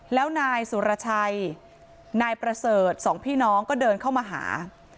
แล้วนายสุรชัยนายประเสริฐสองพี่น้องก็เดินเข้ามาหา